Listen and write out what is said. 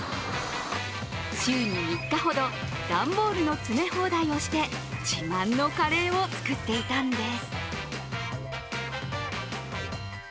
週に３日ほど、段ボールの詰め放題をして自慢のカレーを作っていたんです。